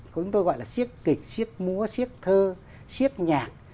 chúng tôi gọi là siếc kịch siếc múa siếc thơ siếc nhạc